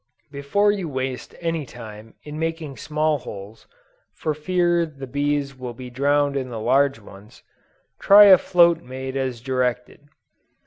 Before you waste any time in making small holes, for fear the bees will be drowned in the large ones, try a float made as directed.